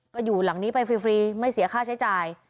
ก็อยู่หลังนี้ไปฟรีไม่เสียค่าใช้จ่าย